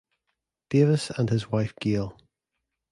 Davis and his wife Gale.